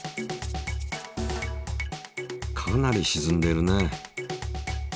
かなりしずんでいるね。